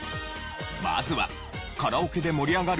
まずはカラオケで盛り上がる